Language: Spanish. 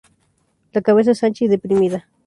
La cabeza es ancha y deprimida.